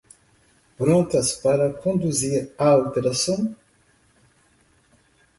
Prontas para conduzir a operação!